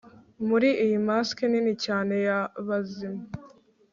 Muri iyi masque nini cyane yabazima